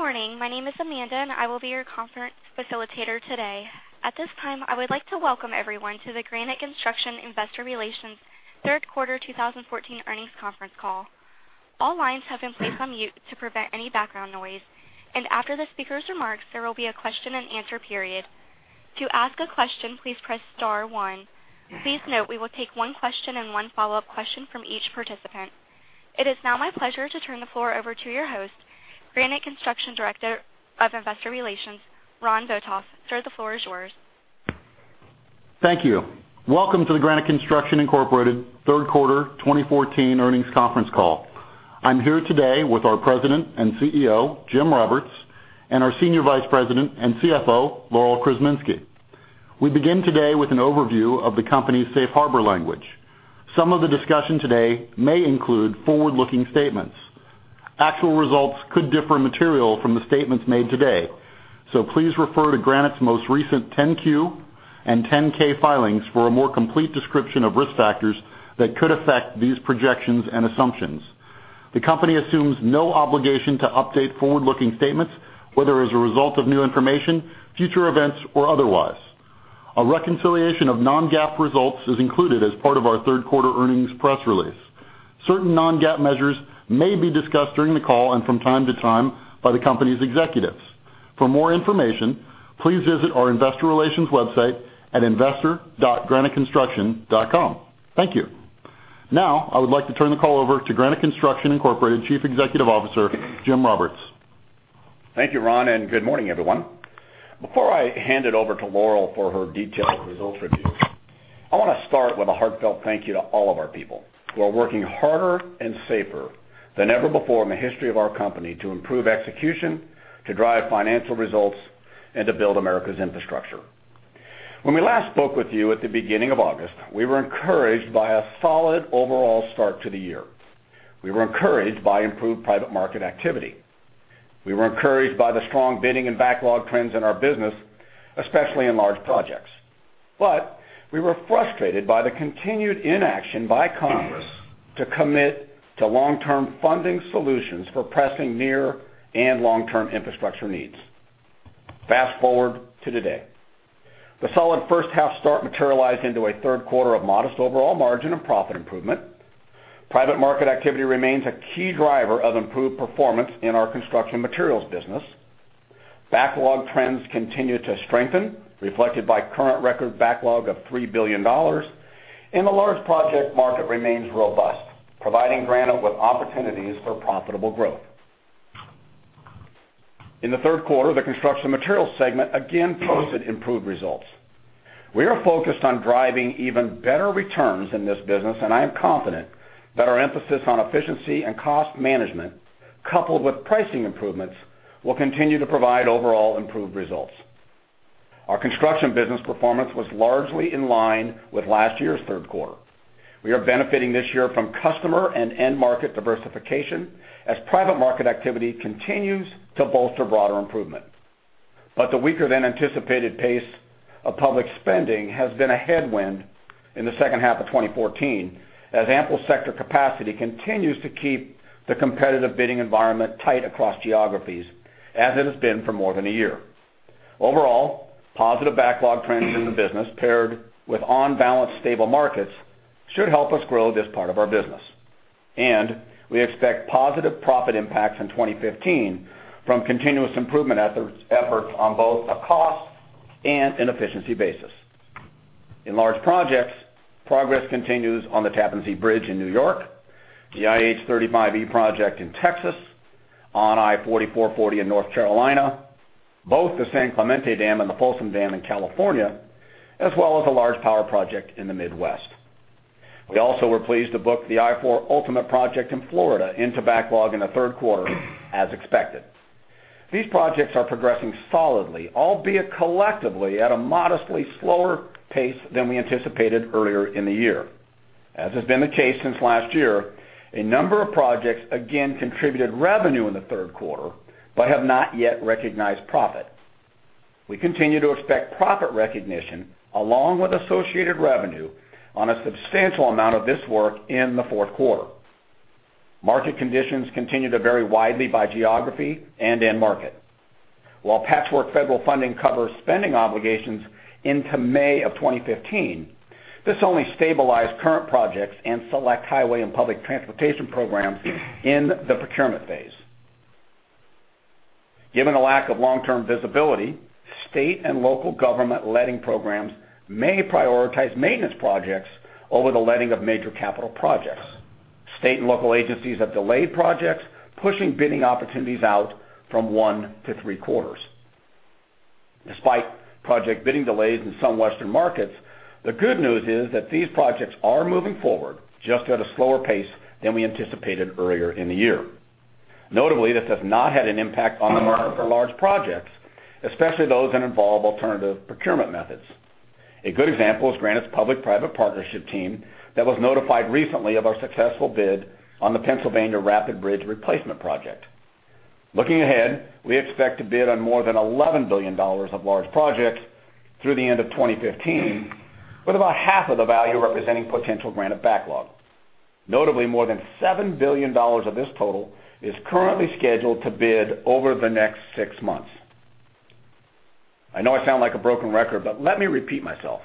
Good morning. My name is Amanda, and I will be your conference facilitator today. At this time, I would like to welcome everyone to the Granite Construction Investor Relations third quarter 2014 earnings conference call. All lines have been placed on mute to prevent any background noise, and after the speaker's remarks, there will be a question-and-answer period. To ask a question, please press star one. Please note, we will take one question and one follow-up question from each participant. It is now my pleasure to turn the floor over to your host, Granite Construction Director of Investor Relations, Ron Botoff. Sir, the floor is yours. Thank you. Welcome to the Granite Construction Incorporated third quarter 2014 earnings conference call. I'm here today with our President and CEO, Jim Roberts, and our Senior Vice President and CFO, Laurel Krzeminski. We begin today with an overview of the company's safe harbor language. Some of the discussion today may include forward-looking statements. Actual results could differ materially from the statements made today, so please refer to Granite's most recent 10-Q and 10-K filings for a more complete description of risk factors that could affect these projections and assumptions. The company assumes no obligation to update forward-looking statements, whether as a result of new information, future events, or otherwise. A reconciliation of non-GAAP results is included as part of our third quarter earnings press release. Certain non-GAAP measures may be discussed during the call and from time to time by the company's executives. For more information, please visit our investor relations website at investor.graniteconstruction.com. Thank you. Now, I would like to turn the call over to Granite Construction Incorporated, Chief Executive Officer, Jim Roberts. Thank you, Ron, and good morning, everyone. Before I hand it over to Laurel for her detailed results review, I want to start with a heartfelt thank you to all of our people who are working harder and safer than ever before in the history of our company to improve execution, to drive financial results, and to build America's infrastructure. When we last spoke with you at the beginning of August, we were encouraged by a solid overall start to the year. We were encouraged by improved private market activity. We were encouraged by the strong bidding and backlog trends in our business, especially in large projects. But we were frustrated by the continued inaction by Congress to commit to long-term funding solutions for pressing near and long-term infrastructure needs. Fast forward to today. The solid first half start materialized into a third quarter of modest overall margin and profit improvement. Private market activity remains a key driver of improved performance in our construction materials business. Backlog trends continue to strengthen, reflected by current record backlog of $3 billion, and the large project market remains robust, providing Granite with opportunities for profitable growth. In the third quarter, the construction materials segment again posted improved results. We are focused on driving even better returns in this business, and I am confident that our emphasis on efficiency and cost management, coupled with pricing improvements, will continue to provide overall improved results. Our construction business performance was largely in line with last year's third quarter. We are benefiting this year from customer and end market diversification as private market activity continues to bolster broader improvement. But the weaker than anticipated pace of public spending has been a headwind in the second half of 2014, as ample sector capacity continues to keep the competitive bidding environment tight across geographies, as it has been for more than a year. Overall, positive backlog trends in the business, paired with on-balance stable markets, should help us grow this part of our business, and we expect positive profit impacts in 2015 from continuous improvement efforts, efforts on both a cost and an efficiency basis. In large projects, progress continues on the Tappan Zee Bridge in New York, the I-35E project in Texas, on I-40/I-440 in North Carolina, both the San Clemente Dam and the Folsom Dam in California, as well as a large power project in the Midwest. We also were pleased to book the I-4 Ultimate project in Florida into backlog in the third quarter as expected. These projects are progressing solidly, albeit collectively, at a modestly slower pace than we anticipated earlier in the year. As has been the case since last year, a number of projects again contributed revenue in the third quarter, but have not yet recognized profit. We continue to expect profit recognition, along with associated revenue on a substantial amount of this work in the fourth quarter. Market conditions continue to vary widely by geography and end market. While patchwork federal funding covers spending obligations into May of 2015, this only stabilized current projects and select highway and public transportation programs in the procurement phase. Given the lack of long-term visibility, state and local government letting programs may prioritize maintenance projects over the letting of major capital projects. State and local agencies have delayed projects, pushing bidding opportunities out from one to three quarters. Despite project bidding delays in some Western markets, the good news is that these projects are moving forward, just at a slower pace than we anticipated earlier in the year. Notably, this has not had an impact on the market for large projects, especially those that involve alternative procurement methods. A good example is Granite's public-private partnership team that was notified recently of our successful bid on the Pennsylvania Rapid Bridge Replacement Project. Looking ahead, we expect to bid on more than $11 billion of large projects through the end of 2015, with about half of the value representing potential Granite backlog. Notably, more than $7 billion of this total is currently scheduled to bid over the next six months. I know I sound like a broken record, but let me repeat myself.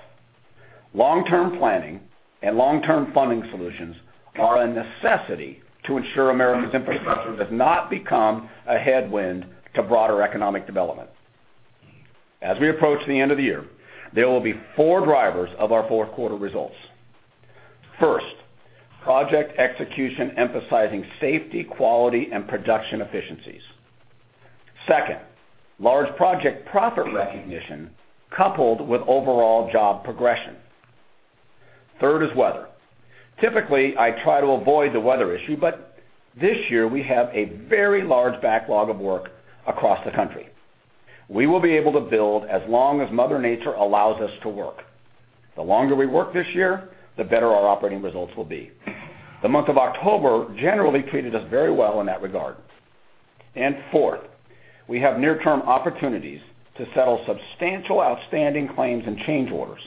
Long-term planning and long-term funding solutions are a necessity to ensure America's infrastructure does not become a headwind to broader economic development. As we approach the end of the year, there will be four drivers of our fourth quarter results. First, project execution, emphasizing safety, quality, and production efficiencies. Second, large project profit recognition coupled with overall job progression. Third is weather. Typically, I try to avoid the weather issue, but this year we have a very large backlog of work across the country. We will be able to build as long as Mother Nature allows us to work. The longer we work this year, the better our operating results will be. The month of October generally treated us very well in that regard. Fourth, we have near-term opportunities to settle substantial outstanding claims and change orders.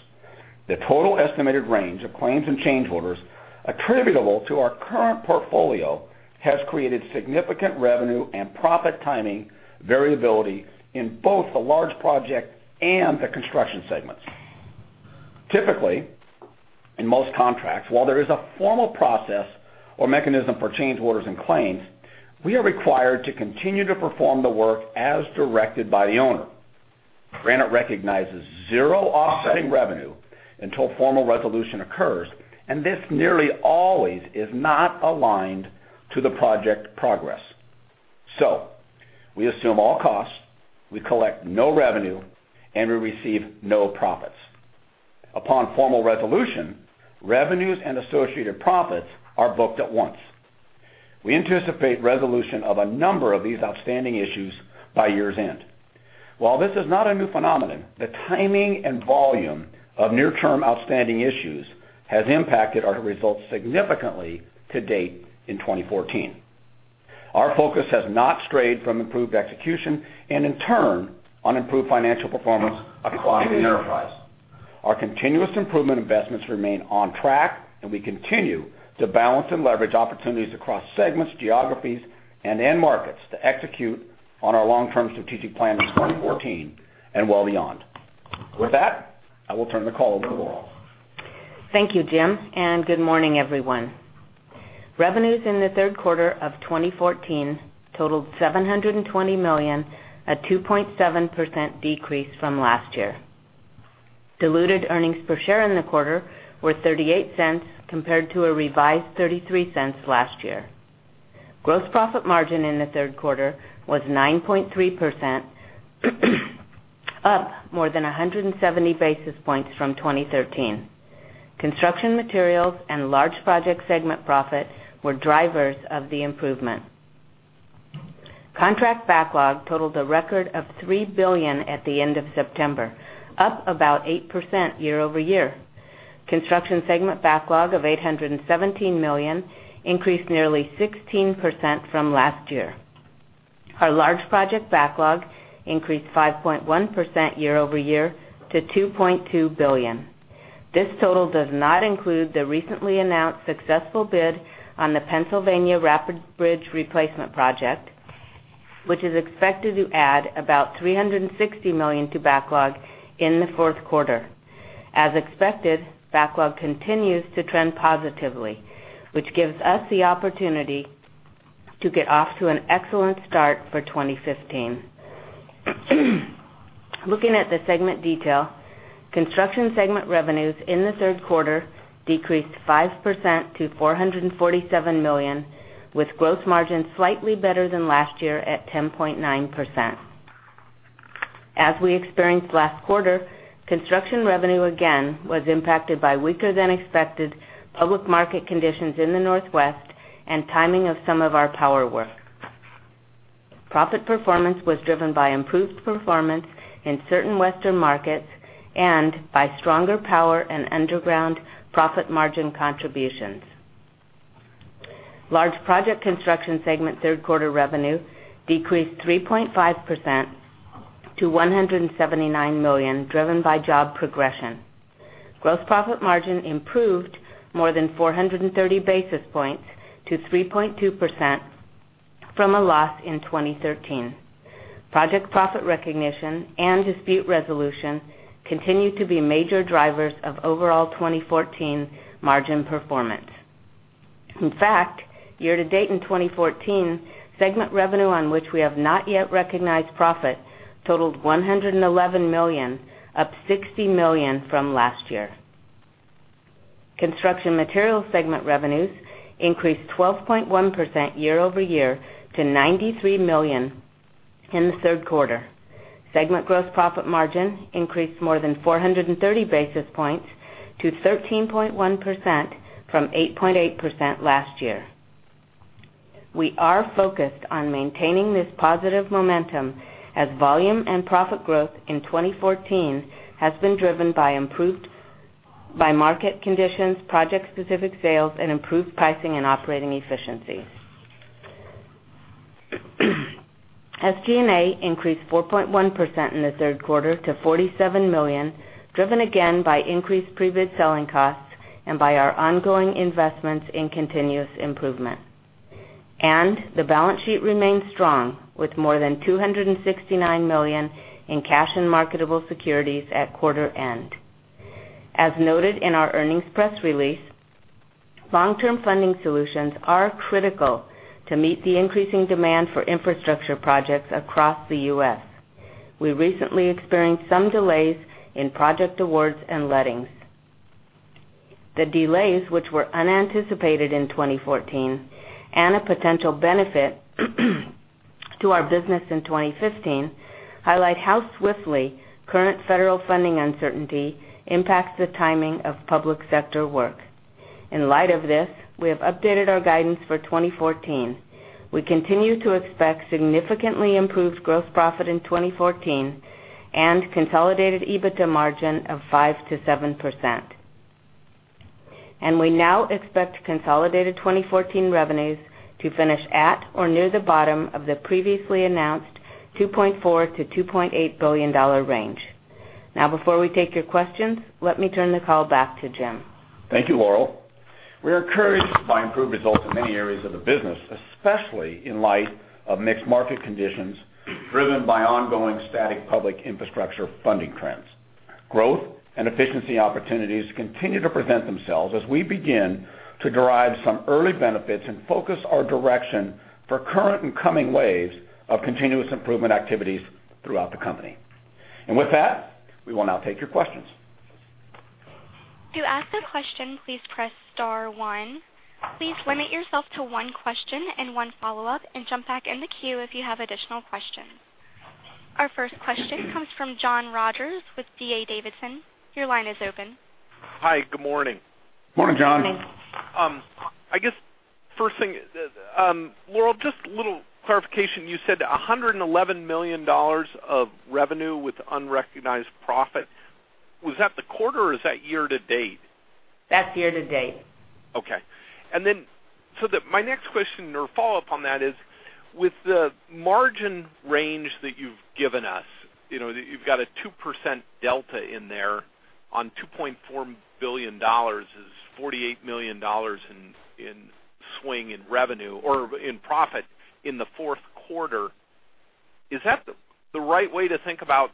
The total estimated range of claims and change orders attributable to our current portfolio has created significant revenue and profit timing variability in both the large project and the construction segments. Typically, in most contracts, while there is a formal process or mechanism for change orders and claims, we are required to continue to perform the work as directed by the owner. Granite recognizes zero offsetting revenue until formal resolution occurs, and this nearly always is not aligned to the project progress. So we assume all costs, we collect no revenue, and we receive no profits. Upon formal resolution, revenues and associated profits are booked at once. We anticipate resolution of a number of these outstanding issues by year's end. While this is not a new phenomenon, the timing and volume of near-term outstanding issues has impacted our results significantly to date in 2014. Our focus has not strayed from improved execution and, in turn, on improved financial performance across the enterprise. Our continuous improvement investments remain on track, and we continue to balance and leverage opportunities across segments, geographies, and end markets to execute on our long-term strategic plan in 2014 and well beyond. With that, I will turn the call over to Laurel. Thank you, Jim, and good morning, everyone. Revenues in the third quarter of 2014 totaled $720 million, a 2.7% decrease from last year. Diluted earnings per share in the quarter were $0.38, compared to a revised $0.33 last year. Gross profit margin in the third quarter was 9.3%, up more than 170 basis points from 2013. Construction materials and large project segment profit were drivers of the improvement. Contract backlog totaled a record of $3 billion at the end of September, up about 8% year-over-year. Construction segment backlog of $817 million increased nearly 16% from last year. Our large project backlog increased 5.1% year-over-year to $2.2 billion. This total does not include the recently announced successful bid on the Pennsylvania Rapid Bridge Replacement Project, which is expected to add about $360 million to backlog in the fourth quarter. As expected, backlog continues to trend positively, which gives us the opportunity to get off to an excellent start for 2015. Looking at the segment detail, construction segment revenues in the third quarter decreased 5% to $447 million, with gross margin slightly better than last year at 10.9%. As we experienced last quarter, construction revenue again was impacted by weaker-than-expected public market conditions in the Northwest and timing of some of our power work. Profit performance was driven by improved performance in certain Western markets and by stronger power and underground profit margin contributions. Large Project Construction segment third quarter revenue decreased 3.5% to $179 million, driven by job progression. Gross profit margin improved more than 430 basis points to 3.2% from a loss in 2013. Project profit recognition and dispute resolution continue to be major drivers of overall 2014 margin performance. In fact, year to date in 2014, segment revenue on which we have not yet recognized profit totaled $111 million, up $60 million from last year. Construction materials segment revenues increased 12.1% year-over-year to $93 million in the third quarter. Segment gross profit margin increased more than 430 basis points to 13.1% from 8.8% last year. We are focused on maintaining this positive momentum, as volume and profit growth in 2014 has been driven by improved by market conditions, project-specific sales, and improved pricing and operating efficiency. SG&A increased 4.1% in the third quarter to $47 million, driven again by increased pre-bid selling costs and by our ongoing investments in continuous improvement. And the balance sheet remains strong, with more than $269 million in cash and marketable securities at quarter end. As noted in our earnings press release, long-term funding solutions are critical to meet the increasing demand for infrastructure projects across the U.S. We recently experienced some delays in project awards and lettings. The delays, which were unanticipated in 2014, and a potential benefit, to our business in 2015, highlight how swiftly current federal funding uncertainty impacts the timing of public sector work. In light of this, we have updated our guidance for 2014. We continue to expect significantly improved gross profit in 2014 and consolidated EBITDA margin of 5%-7%. We now expect consolidated 2014 revenues to finish at or near the bottom of the previously announced $2.4 billion-$2.8 billion range. Now, before we take your questions, let me turn the call back to Jim. Thank you, Laurel. We are encouraged by improved results in many areas of the business, especially in light of mixed market conditions, driven by ongoing static public infrastructure funding trends. Growth and efficiency opportunities continue to present themselves as we begin to derive some early benefits and focus our direction for current and coming waves of continuous improvement activities throughout the company. With that, we will now take your questions. To ask a question, please press star one. Please limit yourself to one question and one follow-up, and jump back in the queue if you have additional questions. Our first question comes from John Rogers with D.A. Davidson. Your line is open. Hi, good morning. Morning, John. Morning. I guess, first thing, Laurel, just a little clarification. You said $111 million of revenue with unrecognized profit. Was that the quarter or is that year to date? That's year to date. Okay. And then, so my next question or follow-up on that is, with the margin range that you've given us, you know, you've got a 2% delta in there on $2.4 billion is $48 million in swing, in revenue or in profit in the fourth quarter. Is that the right way to think about,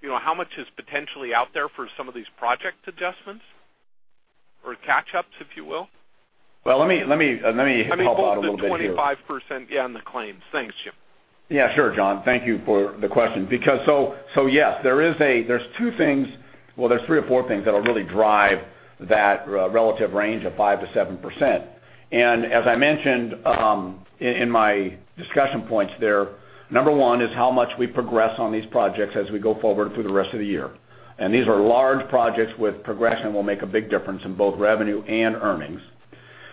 you know, how much is potentially out there for some of these project adjustments or catch-ups, if you will? Well, let me help out a little bit here. Let me hold the 25% on the claims. Thanks, Jim. Yeah, sure, John. Thank you for the question. Because so yes, there are two things. Well, there's three or four things that'll really drive that relative range of 5%-7%. And as I mentioned, in my discussion points there, number one is how much we progress on these projects as we go forward through the rest of the year. And these are large projects with progression will make a big difference in both revenue and earnings.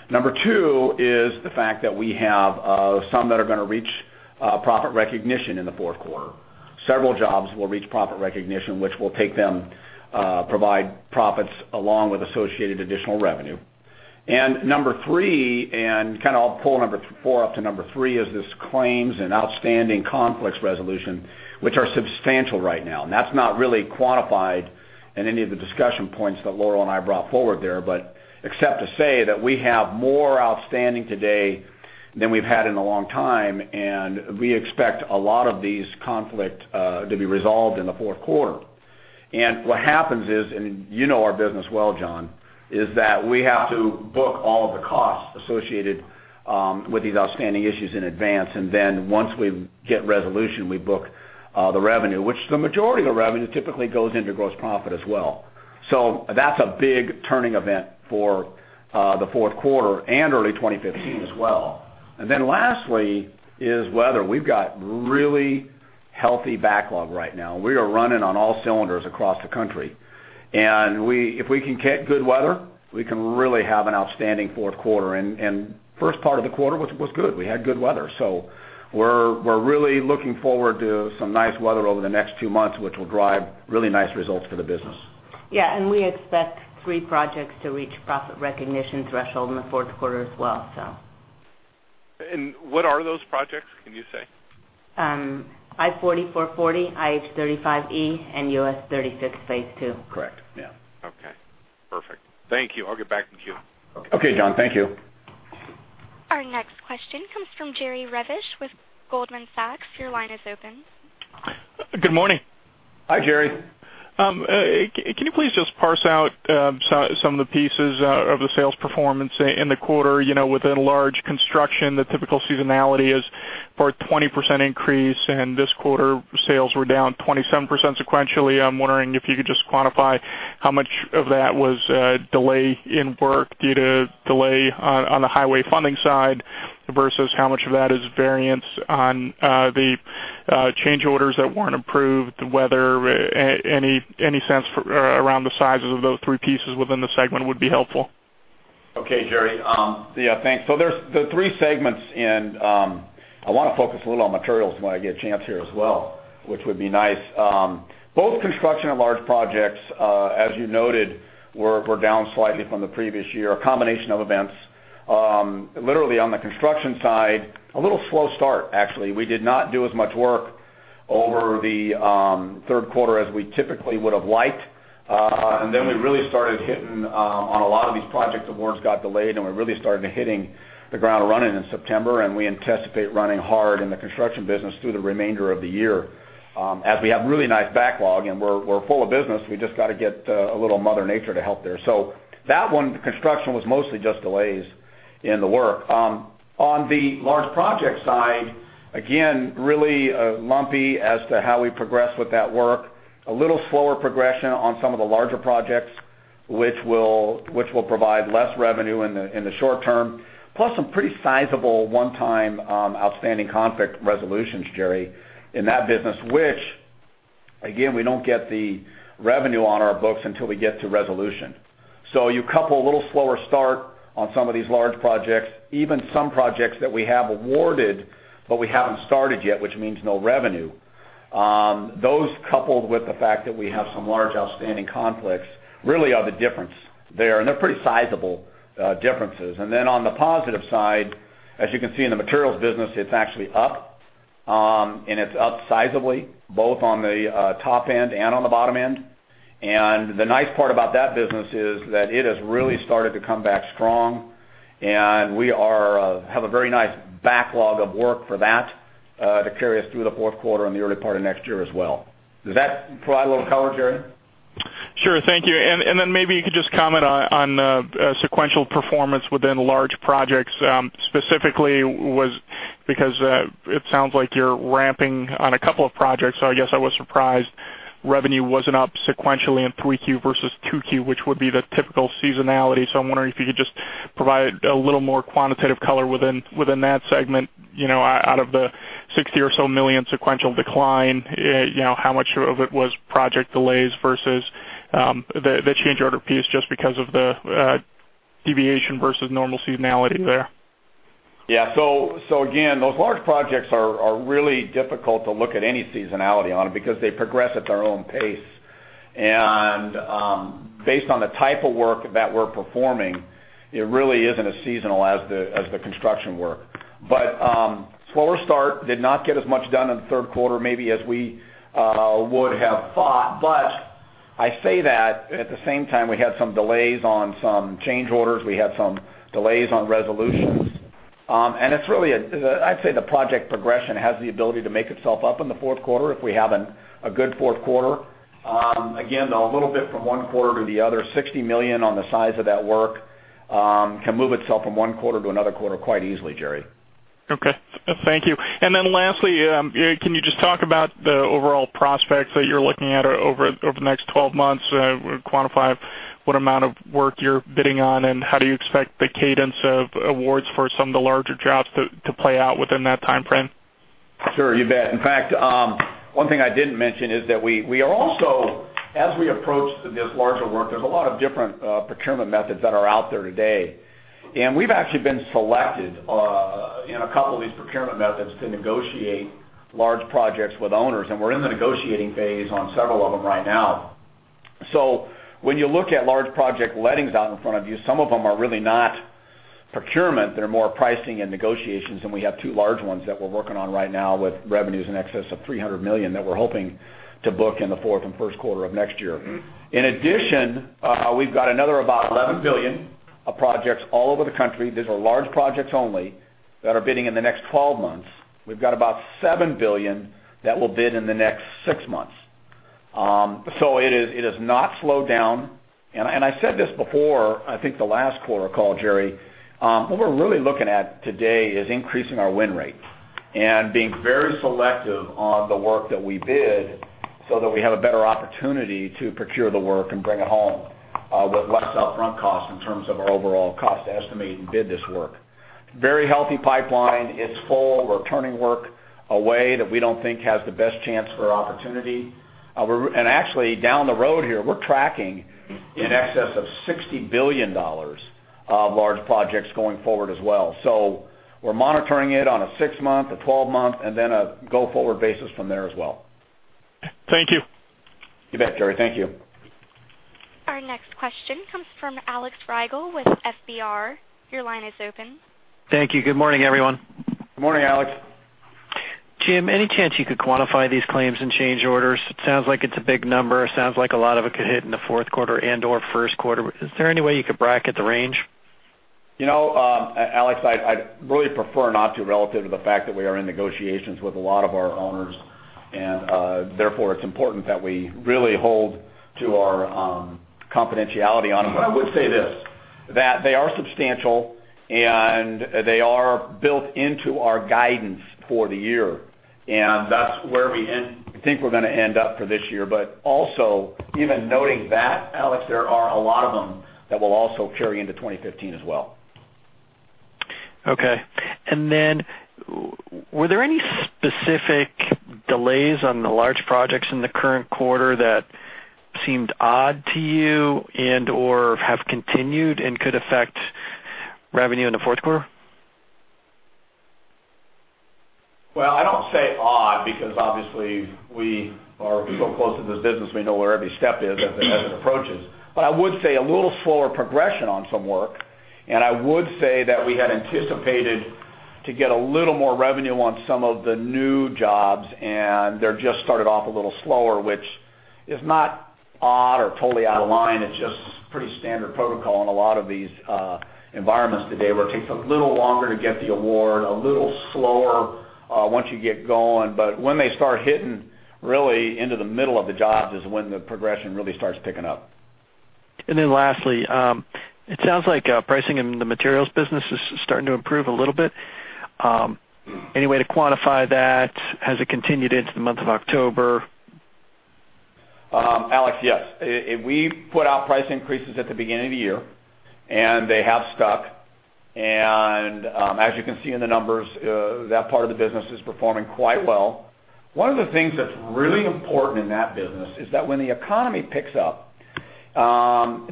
Number two is the fact that we have some that are going to reach profit recognition in the fourth quarter. Several jobs will reach profit recognition, which will take them provide profits along with associated additional revenue. And number three, and kind of I'll pull number four up to number three, is this claims and outstanding conflicts resolution, which are substantial right now, and that's not really quantified in any of the discussion points that Laurel and I brought forward there, but except to say that we have more outstanding today than we've had in a long time, and we expect a lot of these conflicts to be resolved in the fourth quarter. And what happens is, and you know our business well, John, is that we have to book all of the costs associated with these outstanding issues in advance, and then once we get resolution, we book the revenue, which the majority of the revenue typically goes into gross profit as well. So that's a big turning event for the fourth quarter and early 2015 as well. Then lastly is weather. We've got really healthy backlog right now. We are running on all cylinders across the country, and if we can get good weather, we can really have an outstanding fourth quarter. And first part of the quarter was good. We had good weather, so we're really looking forward to some nice weather over the next two months, which will drive really nice results for the business. Yeah, and we expect three projects to reach profit recognition threshold in the fourth quarter as well, so. What are those projects? Can you say? I-40/I-440, I-35E, and US 36 Phase 2. Correct. Yeah. Okay, perfect. Thank you. I'll get back in queue. Okay, John. Thank you. Our next question comes from Jerry Revich with Goldman Sachs. Your line is open. Good morning. Hi, Jerry. Can you please just parse out some of the pieces of the sales performance in the quarter? You know, within large construction, the typical seasonality is for a 20% increase, and this quarter, sales were down 27% sequentially. I'm wondering if you could just quantify how much of that was delay in work due to delay on the highway funding side, versus how much of that is variance on the change orders that weren't approved, the weather. Any sense around the sizes of those three pieces within the segment would be helpful. Okay, Jerry, yeah, thanks. So there's the three segments, and I want to focus a little on materials when I get a chance here as well, which would be nice. Both construction and large projects, as you noted, were down slightly from the previous year, a combination of events. Literally on the construction side, a little slow start, actually. We did not do as much work over the third quarter as we typically would have liked. And then we really started hitting on a lot of these projects, awards got delayed, and we really started hitting the ground running in September, and we anticipate running hard in the construction business through the remainder of the year. As we have really nice backlog, and we're full of business, we just got to get a little Mother Nature to help there. So that one, construction, was mostly just delays in the work. On the large project side, again, really lumpy as to how we progressed with that work. A little slower progression on some of the larger projects, which will provide less revenue in the short term, plus some pretty sizable one-time outstanding conflict resolutions, Jerry, in that business, which, again, we don't get the revenue on our books until we get to resolution. So you couple a little slower start on some of these large projects, even some projects that we have awarded, but we haven't started yet, which means no revenue. Those coupled with the fact that we have some large outstanding claims, really are the difference there, and they're pretty sizable differences. And then on the positive side, as you can see in the materials business, it's actually up, and it's up sizably, both on the top end and on the bottom end. And the nice part about that business is that it has really started to come back strong, and we have a very nice backlog of work for that to carry us through the fourth quarter and the early part of next year as well. Does that provide a little color, Jerry? Sure, thank you. And then maybe you could just comment on sequential performance within large projects. Specifically because it sounds like you're ramping on a couple of projects, so I guess I was surprised revenue wasn't up sequentially in 3Q versus 2Q, which would be the typical seasonality. So I'm wondering if you could just provide a little more quantitative color within that segment, you know, out of the $60 million or so sequential decline, you know, how much of it was project delays versus the change order piece, just because of the deviation versus normal seasonality there? Yeah. So, so again, those large projects are, are really difficult to look at any seasonality on them because they progress at their own pace. And, based on the type of work that we're performing, it really isn't as seasonal as the, as the construction work. But, slower start, did not get as much done in the third quarter, maybe as we would have thought. But I say that, at the same time, we had some delays on some change orders. We had some delays on resolutions. And it's really a, I'd say the project progression has the ability to make itself up in the fourth quarter if we have a good fourth quarter. Again, a little bit from one quarter to the other, $60 million on the size of that work can move itself from one quarter to another quarter quite easily, Jerry. Okay, thank you. And then lastly, can you just talk about the overall prospects that you're looking at over the next 12 months, quantify what amount of work you're bidding on, and how do you expect the cadence of awards for some of the larger jobs to play out within that timeframe? Sure, you bet. In fact, one thing I didn't mention is that we, we are also, as we approach this larger work, there's a lot of different procurement methods that are out there today, and we've actually been selected in a couple of these procurement methods to negotiate large projects with owners, and we're in the negotiating phase on several of them right now. So when you look at large project lettings out in front of you, some of them are really not procurement, they're more pricing and negotiations, and we have two large ones that we're working on right now with revenues in excess of $300 million, that we're hoping to book in the fourth and first quarter of next year. In addition, we've got another about $11 billion of projects all over the country. These are large projects only, that are bidding in the next 12 months. We've got about $7 billion that will bid in the next six months. So it is, it has not slowed down. And I said this before, I think the last quarter call, Jerry. What we're really looking at today is increasing our win rate and being very selective on the work that we bid, so that we have a better opportunity to procure the work and bring it home, with less upfront costs in terms of our overall cost to estimate and bid this work. Very healthy pipeline. It's full. We're turning work away that we don't think has the best chance for opportunity. We're... And actually, down the road here, we're tracking in excess of $60 billion of large projects going forward as well. We're monitoring it on a six-month, a 12-month, and then a go-forward basis from there as well. Thank you. You bet, Jerry. Thank you. Our next question comes from Alex Rygiel with FBR. Your line is open. Thank you. Good morning, everyone. Good morning, Alex. Jim, any chance you could quantify these claims and change orders? It sounds like it's a big number. It sounds like a lot of it could hit in the fourth quarter and/or first quarter. Is there any way you could bracket the range? You know, Alex, I'd really prefer not to, relative to the fact that we are in negotiations with a lot of our owners, and therefore, it's important that we really hold to our confidentiality on them. But I would say this, that they are substantial, and they are built into our guidance for the year, and that's where we think we're going to end up for this year. But also, even noting that, Alex, there are a lot of them that will also carry into 2015 as well. Okay. And then were there any specific delays on the large projects in the current quarter that seemed odd to you and/or have continued and could affect revenue in the fourth quarter? Well, I don't say odd, because obviously, we are so close to this business, we know where every step is as it approaches. But I would say a little slower progression on some work. And I would say that we had anticipated to get a little more revenue on some of the new jobs, and they're just started off a little slower, which is not odd or totally out of line. It's just pretty standard protocol in a lot of these environments today, where it takes a little longer to get the award, a little slower once you get going. But when they start hitting, really into the middle of the jobs, is when the progression really starts picking up. And then lastly, it sounds like pricing in the materials business is starting to improve a little bit. Any way to quantify that? Has it continued into the month of October? Alex, yes. We put out price increases at the beginning of the year, and they have stuck. And, as you can see in the numbers, that part of the business is performing quite well. One of the things that's really important in that business is that when the economy picks up,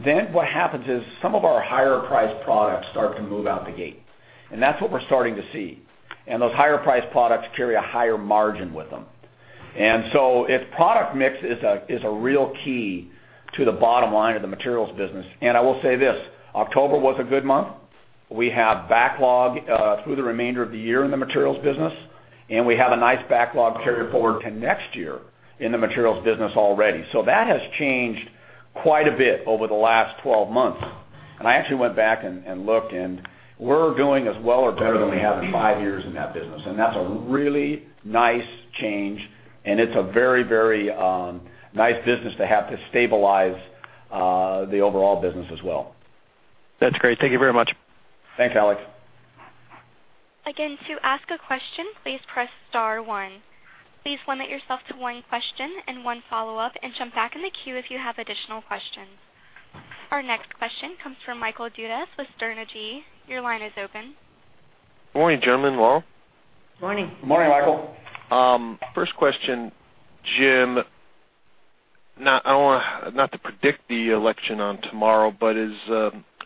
then what happens is some of our higher-priced products start to move out the gate, and that's what we're starting to see. And those higher priced products carry a higher margin with them. And so if product mix is a, is a real key to the bottom line of the materials business, and I will say this: October was a good month. We have backlog, through the remainder of the year in the materials business, and we have a nice backlog carry forward to next year in the materials business already. So that has changed quite a bit over the last 12 months. I actually went back and looked, and we're doing as well or better than we have in five years in that business. And that's a really nice change, and it's a very, very nice business to have to stabilize the overall business as well. That's great. Thank you very much. Thanks, Alex. Again, to ask a question, please press Star One. Please limit yourself to one question and one follow-up, and jump back in the queue if you have additional questions. Our next question comes from Michael Dudas with Sterne Agee. Your line is open. Good morning, gentlemen. Well- Morning. Morning, Michael. First question, Jim, now, I don't want, not to predict the election on tomorrow, but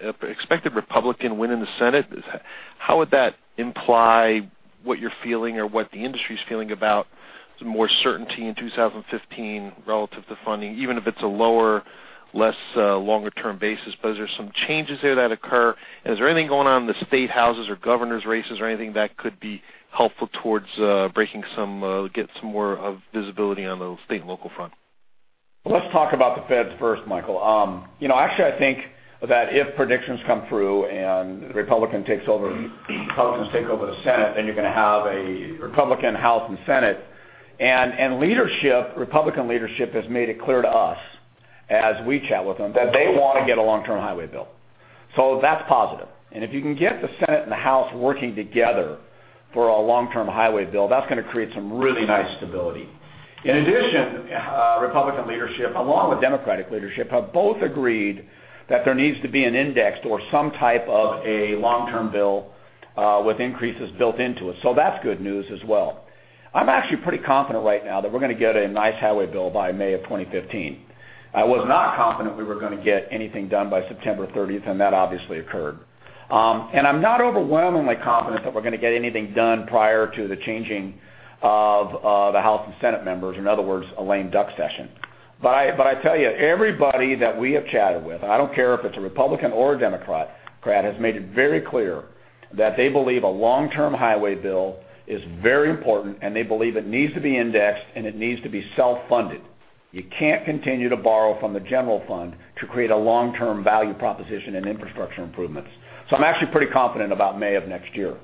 as expected Republican win in the Senate, how would that imply what you're feeling or what the industry is feeling about more certainty in 2015 relative to funding, even if it's a lower, less, longer term basis? But are there some changes there that occur? And is there anything going on in the state houses or governors races or anything that could be helpful towards, breaking some, get some more of visibility on the state and local front? Let's talk about the feds first, Michael. You know, actually, I think that if predictions come through and Republican takes over, Republicans take over the Senate, then you're going to have a Republican House and Senate. And leadership, Republican leadership, has made it clear to us, as we chat with them, that they want to get a long-term highway bill. So that's positive. And if you can get the Senate and the House working together for a long-term highway bill, that's going to create some really nice stability. In addition, Republican leadership, along with Democratic leadership, have both agreed that there needs to be an indexed or some type of a long-term bill with increases built into it. So that's good news as well. I'm actually pretty confident right now that we're going to get a nice highway bill by May of 2015. I was not confident we were going to get anything done by September 30th, and that obviously occurred. And I'm not overwhelmingly confident that we're going to get anything done prior to the changing of the House and Senate members, in other words, a lame duck session. But I tell you, everybody that we have chatted with, I don't care if it's a Republican or a Democrat, has made it very clear that they believe a long-term highway bill is very important, and they believe it needs to be indexed, and it needs to be self-funded. You can't continue to borrow from the general fund to create a long-term value proposition and infrastructure improvements. So I'm actually pretty confident about May of next year.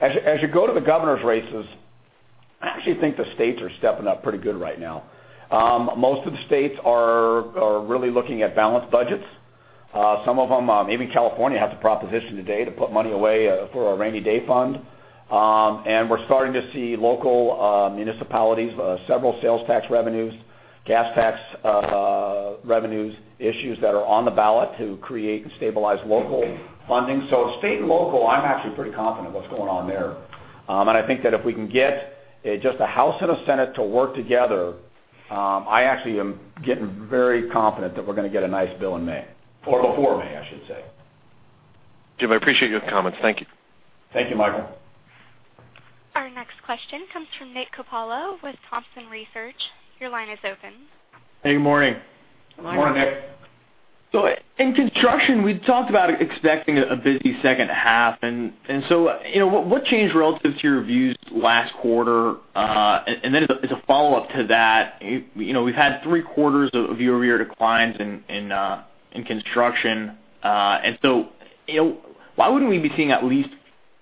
As you go to the governor's races, I actually think the states are stepping up pretty good right now. Most of the states are really looking at balanced budgets. Some of them, maybe California, have the proposition today to put money away for a rainy day fund. We're starting to see local municipalities several sales tax revenues, gas tax revenues, issues that are on the ballot to create and stabilize local funding. So state and local, I'm actually pretty confident what's going on there. I think that if we can get just a House and a Senate to work together, I actually am getting very confident that we're going to get a nice bill in May or before May, I should say. Jim, I appreciate your comments. Thank you. Thank you, Michael. Our next question comes from Nick Coppola with Thompson Research. Your line is open. Hey, good morning. Good morning. Morning, Nick. So in construction, we've talked about expecting a busy second half, and so, you know, what changed relative to your views last quarter? And then as a follow-up to that, you know, we've had 3/4 of year-over-year declines in construction. So, you know, why wouldn't we be seeing at least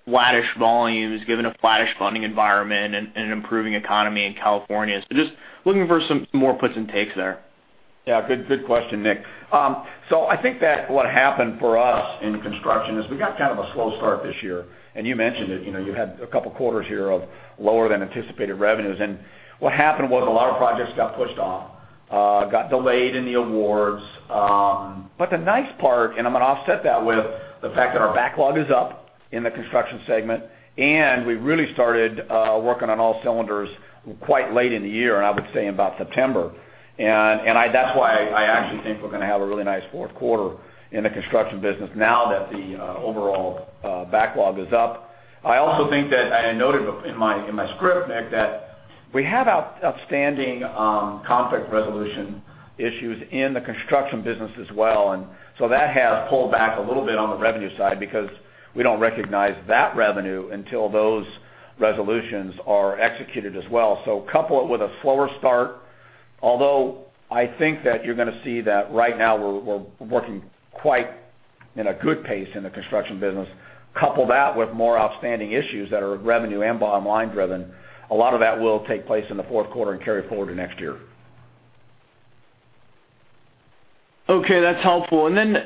flattish volumes, given a flattish funding environment and an improving economy in California? So just looking for some more puts and takes there. Yeah, good, good question, Nick. So I think that what happened for us in construction is we got kind of a slow start this year, and you mentioned it. You know, you had a couple of quarters here of lower than anticipated revenues, and what happened was a lot of projects got pushed off, got delayed in the awards. But the nice part, and I'm going to offset that with the fact that our backlog is up in the construction segment, and we really started working on all cylinders quite late in the year, and I would say in about September. And that's why I actually think we're going to have a really nice fourth quarter in the construction business now that the overall backlog is up. I also think that I noted in my, in my script, Nick, that-... We have outstanding conflict resolution issues in the construction business as well, and so that has pulled back a little bit on the revenue side because we don't recognize that revenue until those resolutions are executed as well. So couple it with a slower start, although I think that you're gonna see that right now, we're working quite in a good pace in the construction business. Couple that with more outstanding issues that are revenue and bottom line driven, a lot of that will take place in the fourth quarter and carry forward to next year. Okay, that's helpful. And then,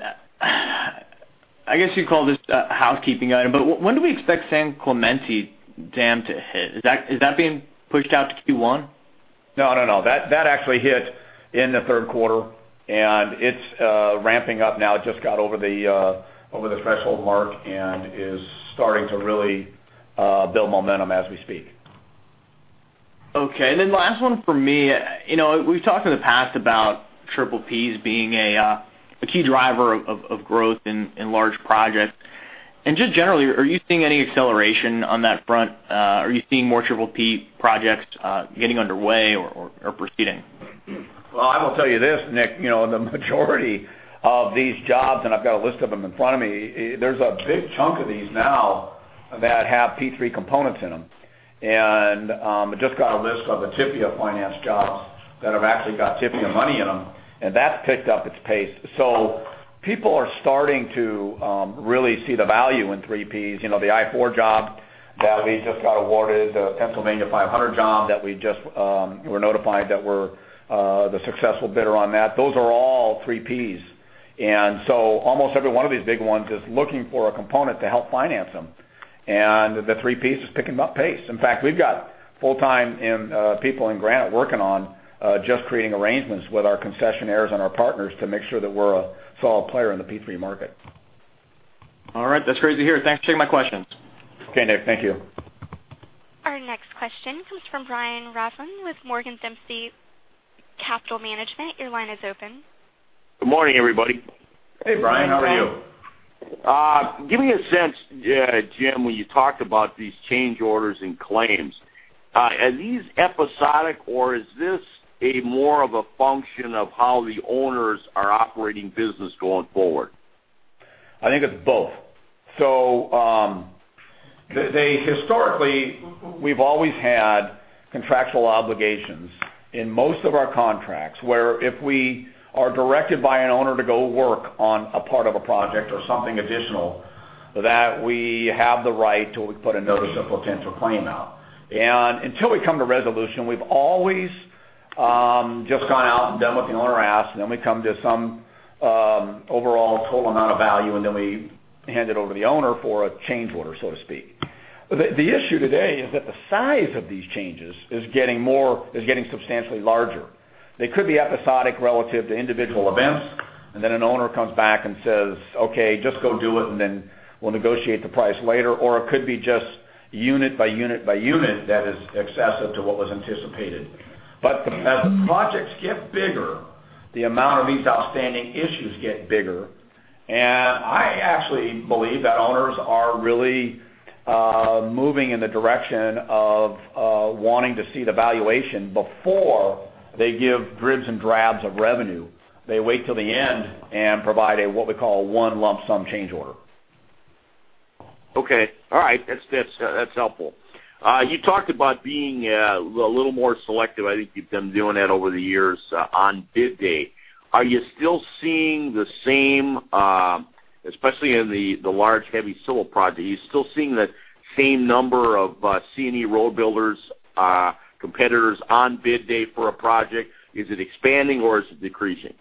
I guess, you'd call this a housekeeping item, but when do we expect San Clemente Dam to hit? Is that being pushed out to Q1? No, I don't know. That, that actually hit in the third quarter, and it's ramping up now. It just got over the threshold mark and is starting to really build momentum as we speak. Okay. And then last one for me. You know, we've talked in the past about triple Ps being a key driver of growth in large projects. And just generally, are you seeing any acceleration on that front? Are you seeing more triple P projects getting underway or proceeding? Well, I will tell you this, Nick, you know, the majority of these jobs, and I've got a list of them in front of me, there's a big chunk of these now that have P3 components in them. And, I just got a list of the TIFIA finance jobs that have actually got TIFIA money in them, and that's picked up its pace. So people are starting to really see the value in three Ps. You know, the I-4 job that we just got awarded, the Pennsylvania 500 job, that we just were notified that we're the successful bidder on that, those are all three Ps. And so almost every one of these big ones is looking for a component to help finance them, and the three Ps is picking up pace. In fact, we've got full-time in, people in Granite working on, just creating arrangements with our concessionaires and our partners to make sure that we're a solid player in the P3 market. All right. That's great to hear. Thanks for taking my questions. Okay, Nick. Thank you. Our next question comes from Brian Rafn with Morgan Dempsey Capital Management. Your line is open. Good morning, everybody. Hey, Brian. How are you? Give me a sense, Jim, when you talked about these change orders and claims, are these episodic, or is this a more of a function of how the owners are operating business going forward? I think it's both. So, they historically, we've always had contractual obligations in most of our contracts, where if we are directed by an owner to go work on a part of a project or something additional, that we have the right to put a notice of potential claim out. And until we come to resolution, we've always just gone out and done what the owner asks, and then we come to some overall total amount of value, and then we hand it over to the owner for a change order, so to speak. The issue today is that the size of these changes is getting substantially larger. They could be episodic relative to individual events, and then an owner comes back and says, "Okay, just go do it, and then we'll negotiate the price later." Or it could be just unit by unit by unit that is excessive to what was anticipated. But as the projects get bigger, the amount of these outstanding issues get bigger, and I actually believe that owners are really moving in the direction of wanting to see the valuation before they give dribs and drabs of revenue. They wait till the end and provide a, what we call, one lump sum change order. Okay. All right. That's helpful. You talked about being a little more selective. I think you've been doing that over the years on bid day. Are you still seeing the same, especially in the large, heavy civil projects? Are you still seeing the same number of C&E road builders, competitors on bid day for a project? Is it expanding or is it decreasing?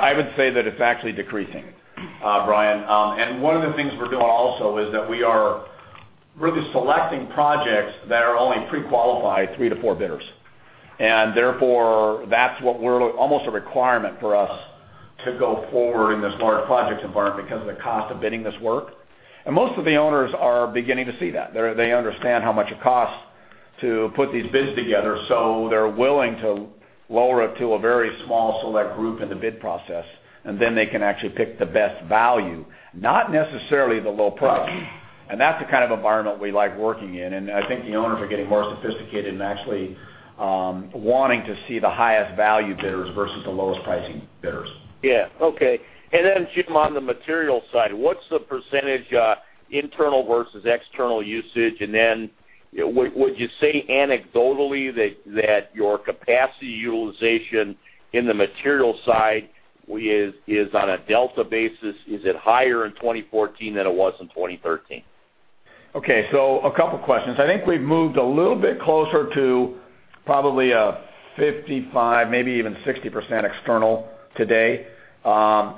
I would say that it's actually decreasing, Brian. And one of the things we're doing also is that we are really selecting projects that are only pre-qualified three-four bidders. And therefore, that's what we're almost a requirement for us to go forward in this large project environment because of the cost of bidding this work. And most of the owners are beginning to see that. They're, they understand how much it costs to put these bids together, so they're willing to lower it to a very small, select group in the bid process, and then they can actually pick the best value, not necessarily the low price. And that's the kind of environment we like working in, and I think the owners are getting more sophisticated and actually wanting to see the highest value bidders versus the lowest pricing bidders. Yeah. Okay. And then, Jim, on the material side, what's the percentage, internal versus external usage? And then, would you say anecdotally that your capacity utilization in the material side is on a delta basis, is it higher in 2014 than it was in 2013? Okay, so a couple questions. I think we've moved a little bit closer to probably a 55%, maybe even 60% external today,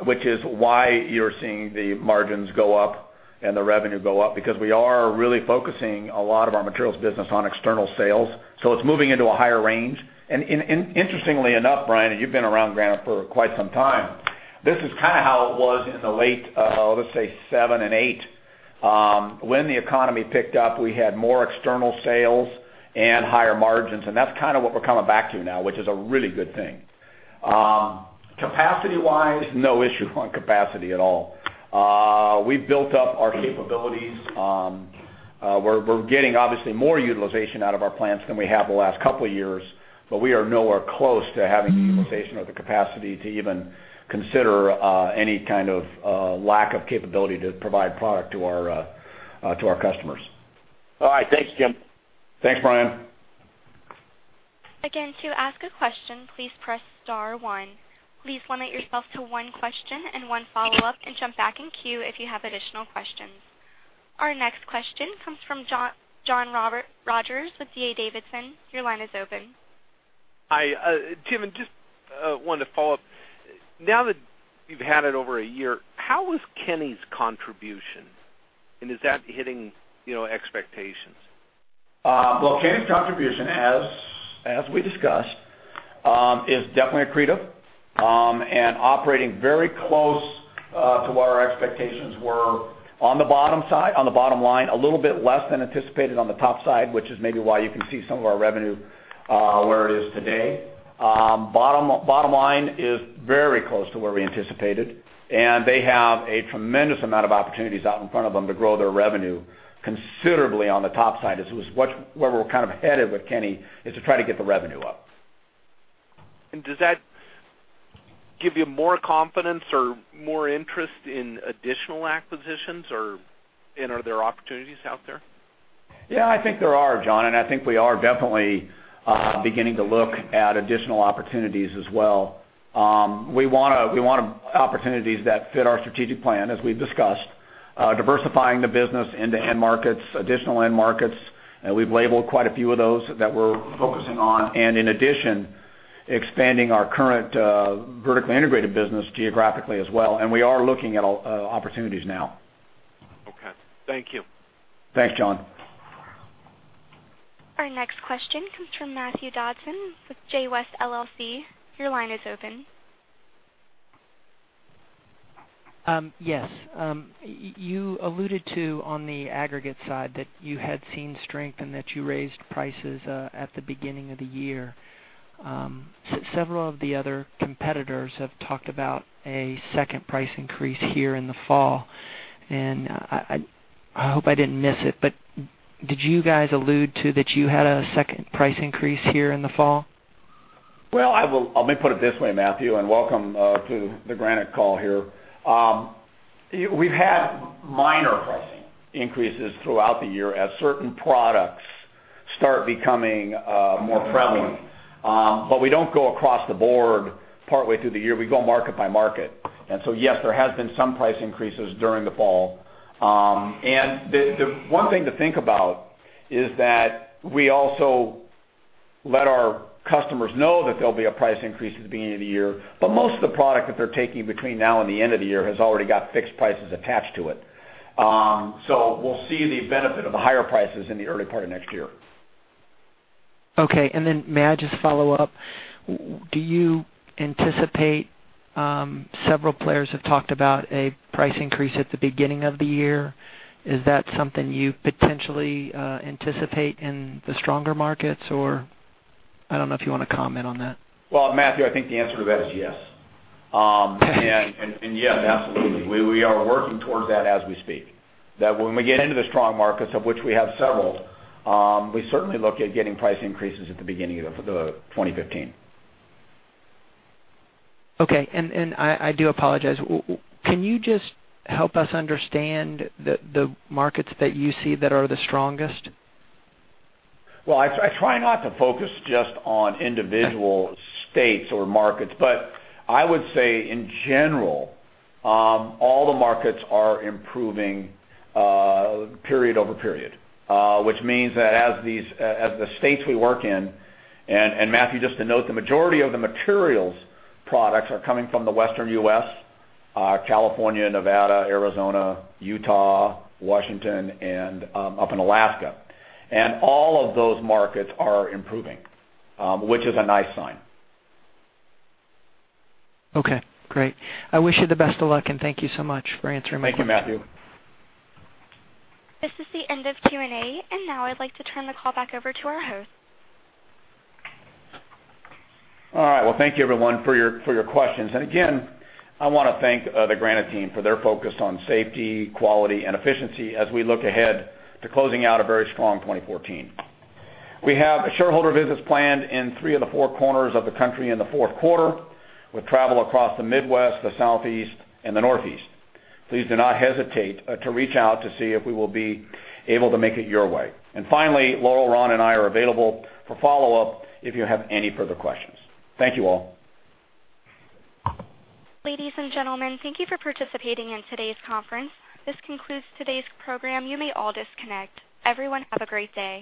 which is why you're seeing the margins go up and the revenue go up, because we are really focusing a lot of our materials business on external sales, so it's moving into a higher range. And, interestingly enough, Brian, and you've been around Granite for quite some time, this is kind of how it was in the late, let's say 2007 and 2008. When the economy picked up, we had more external sales and higher margins, and that's kind of what we're coming back to now, which is a really good thing. Capacity-wise, no issue on capacity at all. We've built up our capabilities. We're getting obviously more utilization out of our plants than we have the last couple of years, but we are nowhere close to having the utilization or the capacity to even consider any kind of lack of capability to provide product to our customers. All right. Thanks, Jim. Thanks, Brian. Again, to ask a question, please press star one. Please limit yourself to one question and one follow-up, and jump back in queue if you have additional questions. Our next question comes from John Rogers with D.A. Davidson. Your line is open. Hi, Jim, and just wanted to follow up. Now that you've had it over a year, how is Kenny's contribution, and is that hitting, you know, expectations? Well, Kenny's contribution, as we discussed, is definitely accretive, and operating very close to what our expectations were on the bottom side, on the bottom line, a little bit less than anticipated on the top side, which is maybe why you can see some of our revenue where it is today. Bottom line is very close to where we anticipated, and they have a tremendous amount of opportunities out in front of them to grow their revenue considerably on the top side. Where we're kind of headed with Kenny is to try to get the revenue up. Does that give you more confidence or more interest in additional acquisitions, or, and are there opportunities out there? Yeah, I think there are, John, and I think we are definitely beginning to look at additional opportunities as well. We wanna, we want opportunities that fit our strategic plan, as we've discussed, diversifying the business into end markets, additional end markets, and we've labeled quite a few of those that we're focusing on. And in addition, expanding our current vertically integrated business geographically as well, and we are looking at all opportunities now. Okay. Thank you. Thanks, John. Our next question comes from Matthew Dodson with JWest, LLC. Your line is open. Yes. You alluded to, on the aggregate side, that you had seen strength and that you raised prices at the beginning of the year. Several of the other competitors have talked about a second price increase here in the fall, and I hope I didn't miss it, but did you guys allude to that you had a second price increase here in the fall? Well, let me put it this way, Matthew, and welcome to the Granite call here. We've had minor pricing increases throughout the year as certain products start becoming more prevalent. But we don't go across the board partway through the year. We go market by market. And so, yes, there has been some price increases during the fall. And the one thing to think about is that we also let our customers know that there'll be a price increase at the beginning of the year, but most of the product that they're taking between now and the end of the year has already got fixed prices attached to it. So we'll see the benefit of the higher prices in the early part of next year. Okay, and then may I just follow up? Do you anticipate? Several players have talked about a price increase at the beginning of the year. Is that something you potentially anticipate in the stronger markets, or I don't know if you wanna comment on that? Well, Matthew, I think the answer to that is yes. Yeah, absolutely. We are working towards that as we speak. That when we get into the strong markets, of which we have several, we certainly look at getting price increases at the beginning of 2015. Okay, and I do apologize. Can you just help us understand the markets that you see that are the strongest? Well, I try, I try not to focus just on individual states or markets, but I would say in general, all the markets are improving, period over period. Which means that as the states we work in, and, and Matthew, just to note, the majority of the materials products are coming from the Western U.S., California, Nevada, Arizona, Utah, Washington, and, up in Alaska. And all of those markets are improving, which is a nice sign. Okay, great. I wish you the best of luck, and thank you so much for answering my question. Thank you, Matthew. This is the end of Q&A, and now I'd like to turn the call back over to our host. All right. Well, thank you everyone for your, for your questions. And again, I wanna thank the Granite team for their focus on safety, quality, and efficiency as we look ahead to closing out a very strong 2014. We have shareholder visits planned in three of the four corners of the country in the fourth quarter. We'll travel across the Midwest, the Southeast, and the Northeast. Please do not hesitate to reach out to see if we will be able to make it your way. And finally, Laurel, Ron, and I are available for follow-up if you have any further questions. Thank you, all. Ladies and gentlemen, thank you for participating in today's conference. This concludes today's program. You may all disconnect. Everyone, have a great day.